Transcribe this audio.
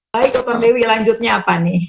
baik dokter dewi lanjutnya apa nih